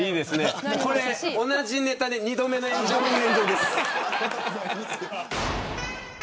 これ、同じネタで２度目の炎上に。